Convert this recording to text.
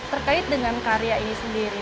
terkait dengan karya ini sendiri